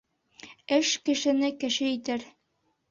Эш кешене кеше итер.